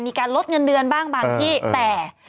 มีการลดเงินเดือนบ้างบางที่แต่